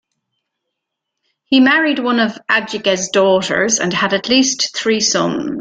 He married one of Ajige's daughters and had at least three sons.